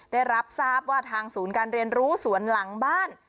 ได้รับทราบว่าทางศูนย์การเรียนรู้สวนหลังบ้าน